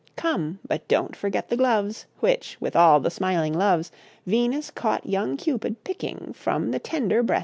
Come, but don't forget the gloves, Which, with all the smiling loves, Venus caught young Cupid picking From the tender breast of chicken.'